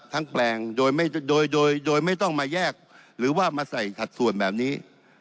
ทั้งแปลงโดยไม่ต้องมาแยกหรือว่ามาใส่ถัดส่วนแบบนี้